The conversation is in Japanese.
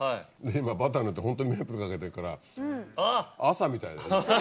今バター塗ってホントにメープルかけてるから朝みたい。